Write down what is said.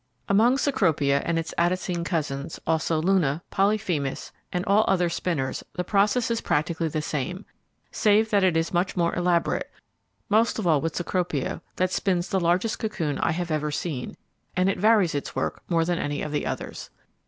Among Cecropia and its Attacine cousins, also Luna, Polyphemus, and all other spinners the process is practically the same, save that it is much more elaborate; most of all with Cecropia, that spins the largest cocoon I ever have seen, and it varies its work more than any of the others.